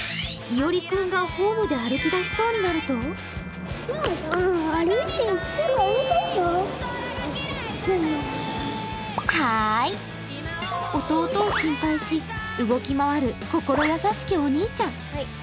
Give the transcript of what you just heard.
いおりくんがホームで歩きだしそうになると弟を心配し、動き回る心優しきお兄ちゃん。